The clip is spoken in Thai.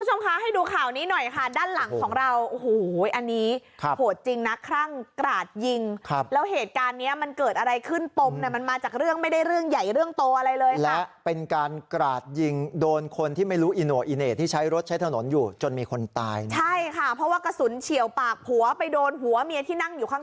คุณผู้ชมคะให้ดูข่าวนี้หน่อยค่ะด้านหลังของเราโอ้โหอันนี้ครับโหดจริงนะครั่งกราดยิงครับแล้วเหตุการณ์เนี้ยมันเกิดอะไรขึ้นปมเนี่ยมันมาจากเรื่องไม่ได้เรื่องใหญ่เรื่องโตอะไรเลยและเป็นการกราดยิงโดนคนที่ไม่รู้อิโน่อีเหน่ที่ใช้รถใช้ถนนอยู่จนมีคนตายนะใช่ค่ะเพราะว่ากระสุนเฉียวปากผัวไปโดนหัวเมียที่นั่งอยู่ข้าง